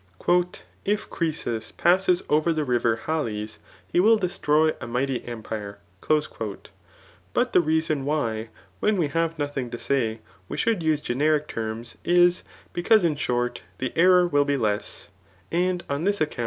" If Croesus passes ovj&r the river Halys, he will destroy a mighty empire." [[But the reason why when we have nothing to say, we should use generic terms is] because in short, the error will be less, and on ibis account * L e.